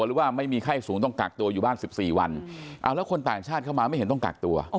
หรือว่าไม่มีไข้สูงต้องกักตัวอยู่บ้าน๑๔วันเอาแล้วคนต่างชาติเข้ามาไม่เห็นต้องกักตัว